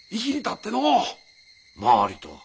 周りとは？